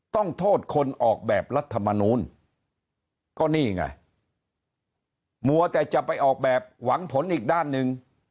โทษคนออกแบบรัฐมนูลก็นี่ไงมัวแต่จะไปออกแบบหวังผลอีกด้านหนึ่ง